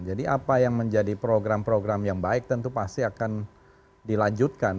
jadi apa yang menjadi program program yang baik tentu pasti akan dilanjutkan